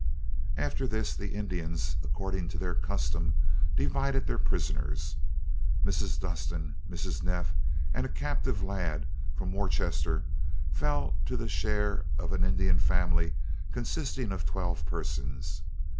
] After this, the Indians, according to their custom, divided their prisoners. Mrs. Dustin, Mrs. Neff and a captive lad from Worcester fell to the share of an Indian family consisting of twelve persons.